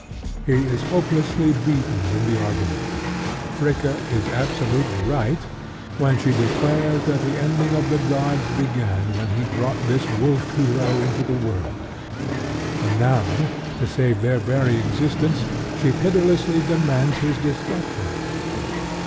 He is hopelessly beaten in the argument. Fricka is absolutely right when she declares that the ending of the gods began when he brought this wolf hero into the world; and now, to save their very existence, she pitilessly demands his destruction.